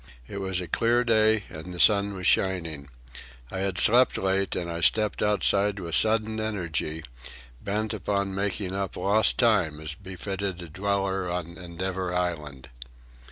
It was a clear day, and the sun was shining. I had slept late, and I stepped outside with sudden energy, bent upon making up lost time as befitted a dweller on Endeavour Island.